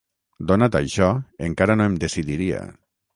Donat això, encara no em decidiria.